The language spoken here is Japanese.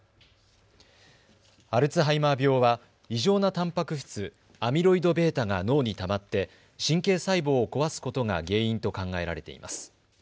アルツハイマー病は異常なたんぱく質、アミロイドβが脳にたまって神経細胞を壊すことが原因と考えられています。